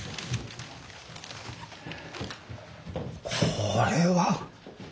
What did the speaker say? これは！